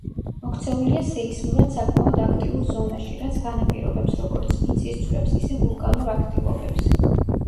მოქცეულია სეისმურად საკმაოდ აქტიურ ზონაში, რაც განაპირობებს როგორც მიწისძვრებს, ისე ვულკანურ აქტივობებს.